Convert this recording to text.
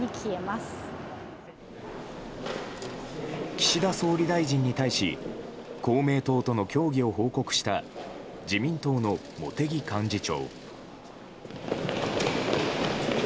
岸田総理大臣に対し公明党との協議を報告した自民党の茂木幹事長。